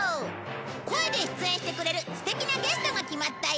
声で出演してくれる素敵なゲストが決まったよ！